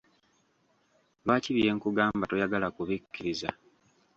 Lwaki bye nkugamba toyagala kubikkiriza?